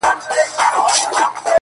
o او خپل څادر يې تر خپل څنگ هوار کړ،